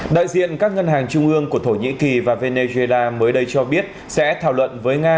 đại diện các ngân hàng trung ương của thổ nhĩ kỳ và venezuela mới đây cho biết sẽ thảo luận với nga